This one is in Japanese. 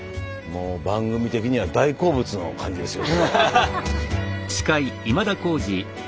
もう番組的には大好物の感じですよ。